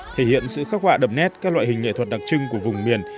thể hiện sự khắc họa đậm nét các loại hình nghệ thuật đặc trưng của vùng miền